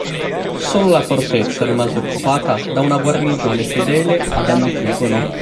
Solo la fortezza rimase occupata da una guarnigione fedele ad Antigono.